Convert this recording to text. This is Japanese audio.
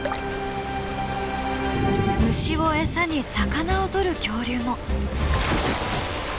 虫をエサに魚を捕る恐竜も！